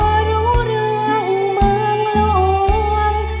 พอรู้เรื่องเบื้องล้วน